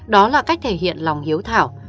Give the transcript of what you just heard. đó là cách thể hiện lòng hiếu thảo